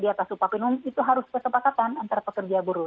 itu harus kesepakatan antara pekerja buruh